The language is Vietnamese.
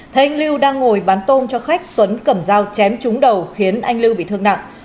thấy anh lưu đang ngồi bán tôm cho khách tuấn cầm dao chém trúng đầu khiến anh lưu bị thương nặng